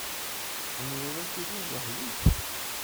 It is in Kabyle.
Tḥemmleḍ ad tiliḍ weḥd-k?